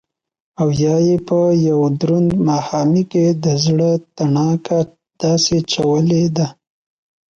او يا يې په يو دروند ماښامي کښې دزړه تڼاکه داسې چولې ده